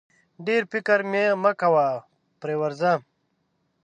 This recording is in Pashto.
ډېر فکر مه کوه پر ورځه!